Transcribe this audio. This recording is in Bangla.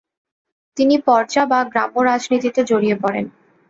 তিনি পর্জা বা গ্রাম্য রাজনীতিতে জড়িয়ে পড়েন।